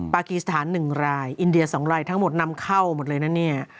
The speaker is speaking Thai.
กีสถาน๑รายอินเดีย๒รายทั้งหมดนำเข้าหมดเลยนะเนี่ย